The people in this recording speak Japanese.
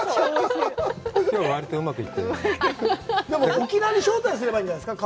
沖縄に招待すればいいんじゃないですか？